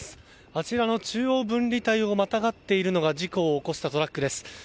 あちらの中央分離帯をまたがっているのが事故を起こしたトラックです。